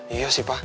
iya sih pa